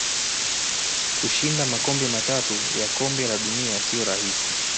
Kushinda makombe matatu ya kombe la dunia siyo rahisi